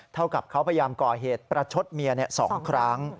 เท่ากับเขาพยายามก่อเหตุประชดเมีย๒ครั้ง